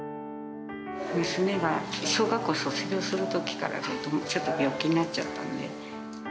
娘が小学校卒業するときから、ちょっと、病気になっちゃったんで。